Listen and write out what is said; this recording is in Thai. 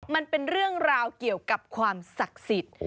มันเป็นเรื่องราวเกี่ยวกับความศักดิ์สิทธิ์